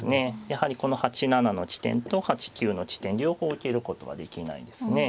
やはりこの８七の地点と８九の地点両方受けることはできないんですね。